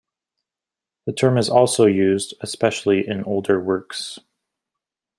The term is also used, especially in older works.